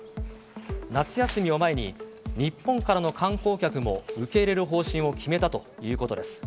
夏休みを前に、日本からの観光客も受け入れる方針を決めたということです。